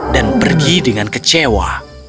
dan pergi dengan kecewa